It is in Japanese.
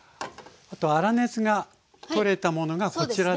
あと粗熱が取れたものがこちらですね。